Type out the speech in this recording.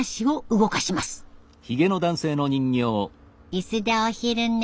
椅子でお昼寝。